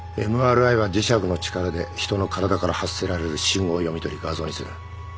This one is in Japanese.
ＭＲＩは磁石の力で人の体から発せられる信号を読み取り画像にする。